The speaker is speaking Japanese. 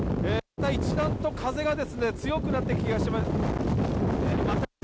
また一段と風が強くなってきました。